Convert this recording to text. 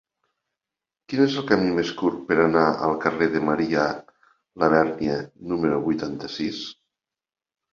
Quin és el camí més curt per anar al carrer de Marià Labèrnia número vuitanta-sis?